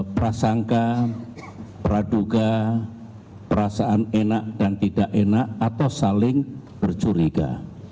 prasangka praduga perasaan enak dan tidak enak atau saling bercuriga